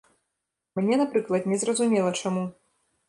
Мне, напрыклад, незразумела чаму.